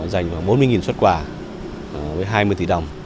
dành khoảng bốn mươi xuất quà với hai mươi tỷ đồng